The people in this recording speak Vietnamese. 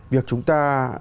việc chúng ta